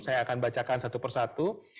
saya akan bacakan satu persatu